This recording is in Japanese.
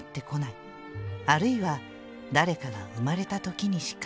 あるいは誰かが生まれた時にしか」。